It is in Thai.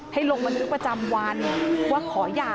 ให้ลงมานึกประจำวันว่าขอหย่า